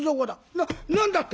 「な何だって！？」。